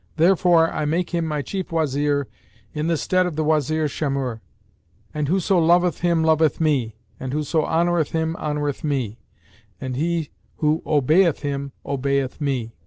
Therefore I make him my Chief Wazir in the stead of the Wazir Shamhur; and whoso loveth him loveth me, and whoso honoureth him honoureth me, and he who obeyeth him obeyeth me."